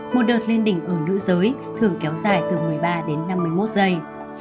một đợt lên đỉnh ở nữ giới thường kéo dài từ một mươi ba đến năm mươi một giây